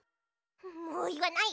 もういわない！